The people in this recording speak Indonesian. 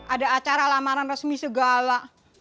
ada acara lamaran resmi segala